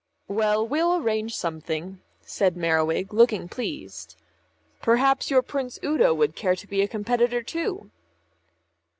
"Well, we'll arrange something," said Merriwig, looking pleased. "Perhaps your Prince Udo would care to be a competitor too."